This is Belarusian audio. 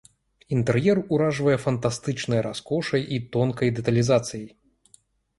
Інтэр'ер уражвае фантастычнай раскошай і тонкай дэталізацыяй.